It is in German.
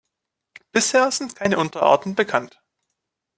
Bisher sind keine Unterarten bekannt.